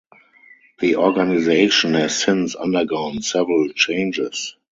The organisation has since undergone several changes.